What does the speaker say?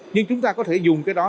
nhưng chúng ta có thể dùng cái đó